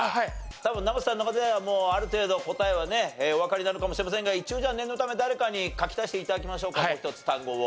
多分生瀬さんの中ではもうある程度答えはねおわかりなのかもしれませんが一応じゃあ念のため誰かに書き足して頂きましょうかもう１つ単語を。